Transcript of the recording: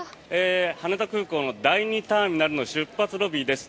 羽田空港の第２ターミナル出発ロビーです。